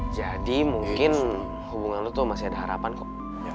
jadi mungkin hubungan lo masih ada harapan kok